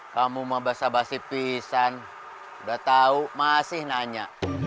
kamu mau basah basih pisan udah tau masih nanya